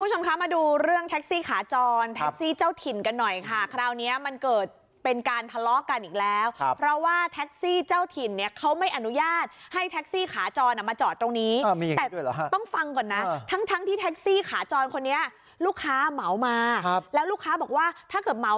คุณผู้ชมคะมาดูเรื่องแท็กซี่ขาจรแท็กซี่เจ้าถิ่นกันหน่อยค่ะคราวเนี้ยมันเกิดเป็นการทะเลาะกันอีกแล้วครับเพราะว่าแท็กซี่เจ้าถิ่นเนี่ยเขาไม่อนุญาตให้แท็กซี่ขาจรอ่ะมาจอดตรงนี้แต่ด้วยเหรอฮะต้องฟังก่อนนะทั้งทั้งที่แท็กซี่ขาจรคนนี้ลูกค้าเหมามาครับแล้วลูกค้าบอกว่าถ้าเกิดเหมา